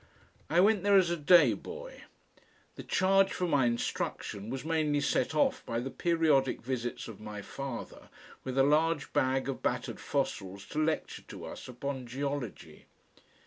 I went there as a day boy. The charge for my instruction was mainly set off by the periodic visits of my father with a large bag of battered fossils to lecture to us upon geology.